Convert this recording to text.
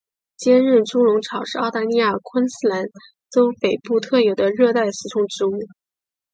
坚韧猪笼草是澳大利亚昆士兰州北部特有的热带食虫植物。